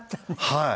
はい。